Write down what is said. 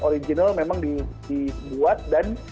original memang dibuat dan